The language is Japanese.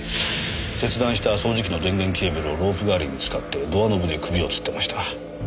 切断した掃除機の電源ケーブルをロープ代わりに使ってドアノブで首をつってました。